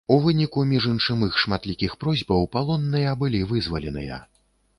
У выніку між іншым іх шматлікіх просьбаў, палонныя былі вызваленыя.